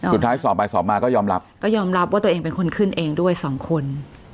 สอบไปสอบมาก็ยอมรับก็ยอมรับว่าตัวเองเป็นคนขึ้นเองด้วยสองคน